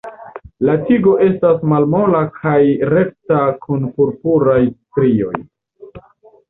La tigo estas malmola kaj rekta kun purpuraj strioj.